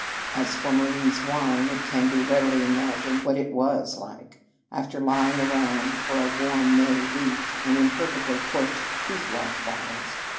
As for Marie s wine, it can be readily im agined what it was like, after lying around for a warm May week in im perfectly corked tooth wash bottles.